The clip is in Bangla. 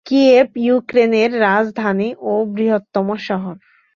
কিয়েভ ইউক্রেনের রাজধানী ও বৃহত্তম শহর।